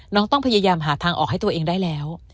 ต้องพยายามหาทางออกให้ตัวเองได้แล้ว